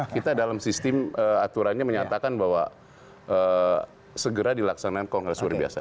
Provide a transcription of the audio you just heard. kita dalam sistem aturannya menyatakan bahwa segera dilaksanakan kongres luar biasa